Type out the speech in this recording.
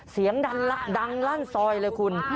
เสียงดังลั่นซอยเลยคุณ